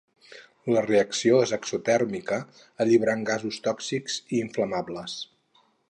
La reacció és exotèrmica, alliberant gasos tòxics i inflamables.